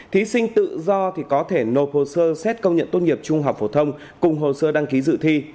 thí sinh tự do thì có thể nộp hồ sơ xét công nhận tốt nghiệp trung học phổ thông cùng hồ sơ đăng ký dự thi